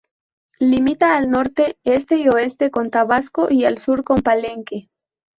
Limita al norte este y oeste con Tabasco y al sur con Palenque.